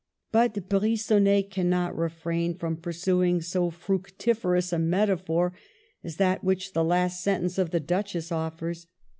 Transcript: But Brigonnet cannot refrain from pur suing so fructiferous a metaphor as that which the last sentence of the Duchess off'ers.